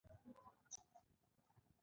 دوی ټول په خپلو کورونو کې لمونځ کوي.